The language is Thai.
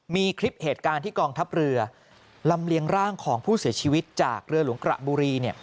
มีคลิปเหตุการณ์ที่กองทัพเรือลำเลียงร่างของผู้เสียชีวิตจากเรือหลวงกระบุรี